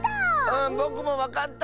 うんぼくもわかった！